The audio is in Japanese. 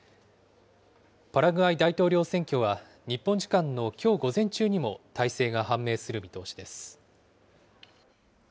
パラグアイ大統領選挙は日本時間のきょう午前中にも、大勢が判明する見通しです。